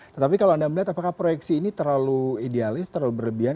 tetapi kalau anda melihat apakah proyeksi ini terlalu idealis terlalu berlebihan